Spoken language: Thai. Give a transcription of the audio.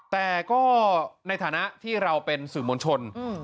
แต่ก็ในฐานะที่เราเป็นสื่อมวลชน